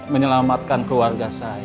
menyelamatkan keluarga saya